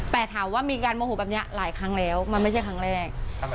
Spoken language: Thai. แต่ถามว่ามีการโมโหแบบนี้หลายครั้งแล้วมันไม่ใช่ครั้งแรก